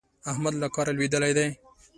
احمد له کاره لوېدلی دی.